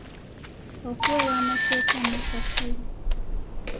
okuweebwa amateeka amakakali